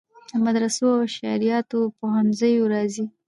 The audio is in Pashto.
له مدرسو او شرعیاتو پوهنځیو راځي.